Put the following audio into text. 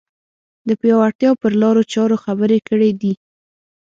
د پیاوړتیا پر لارو چارو خبرې کړې دي